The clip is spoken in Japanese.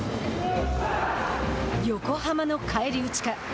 横浜の返り討ちか。